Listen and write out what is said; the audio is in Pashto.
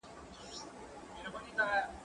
زه کولای سم سبزیحات وچوم؟!